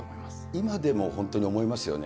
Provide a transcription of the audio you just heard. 今でも本当に思いますよね。